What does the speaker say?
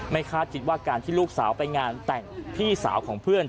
คาดคิดว่าการที่ลูกสาวไปงานแต่งพี่สาวของเพื่อน